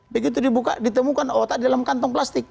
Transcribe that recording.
begitu dibuka ditemukan otak di dalam kantong plastik